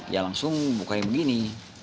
ya langsung buka yang begini